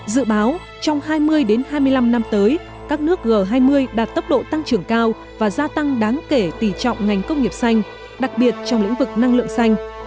dự báo trong hai mươi hai mươi năm năm tới các nước g hai mươi đạt tốc độ tăng trưởng cao và gia tăng đáng kể tỉ trọng ngành công nghiệp xanh đặc biệt trong lĩnh vực năng lượng xanh